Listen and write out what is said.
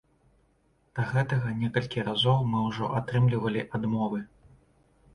Да гэтага некалькі разоў мы ўжо атрымлівалі адмовы.